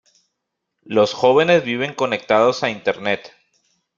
Los jóvenes viven conectados a Internet.